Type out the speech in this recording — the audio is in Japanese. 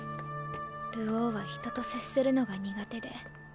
流鶯は人と接するのが苦手で。